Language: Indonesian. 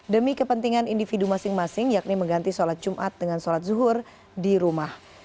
demi kepentingan individu masing masing yakni mengganti sholat jumat dengan sholat zuhur di rumah